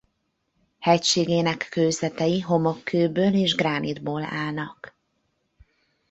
Hegységének kőzetei homokkőből és gránitból állnak.